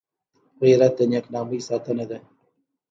غیرت د نېک نامۍ ساتنه ده